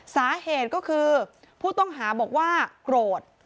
สาเหตุก็คือผู้ต้องหาบอกว่าโกรธ